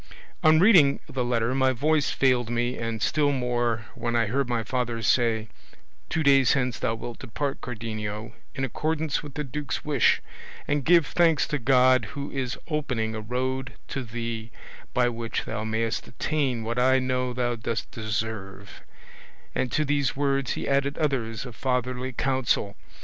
On reading the letter my voice failed me, and still more when I heard my father say, 'Two days hence thou wilt depart, Cardenio, in accordance with the duke's wish, and give thanks to God who is opening a road to thee by which thou mayest attain what I know thou dost deserve; and to these words he added others of fatherly counsel.